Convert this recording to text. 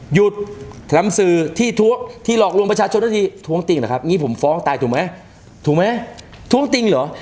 หยุดทำสื่อที่ท้วงที่หลอกลวงประชาชนได้ทีท้วงติงเหรอครับอย่างนี้ผมฟ้องตายถูกไหมถูกไหมท้วงติงเหรอ